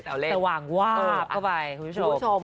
สว่างวาบไปไว้คุณผู้ชม